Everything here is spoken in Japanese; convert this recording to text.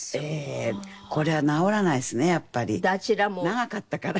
長かったから。